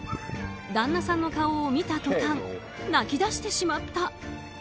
旦那さんの顔を見た途端泣き出してしまった。